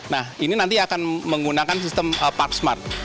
nah ini nanti akan menggunakan sistem park smart